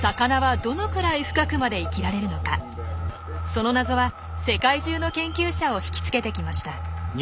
その謎は世界中の研究者を引き付けてきました。